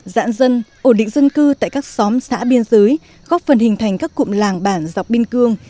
giãn dân ổn định dân cư tại các xóm xã biên giới góp phần hình thành các cụm làng bản dọc biên cương